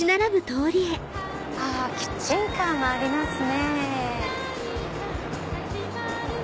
あらキッチンカーがありますね。